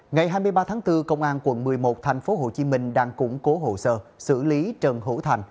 ngày hai mươi ba tháng bốn công an quận một mươi một thành phố hồ chí minh đang củng cố hồ sơ xử lý trần hữu thành